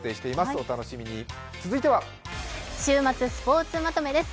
お楽しみに、続いては週末スポーツまとめです。